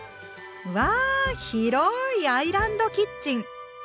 うわ広いアイランドキッチン！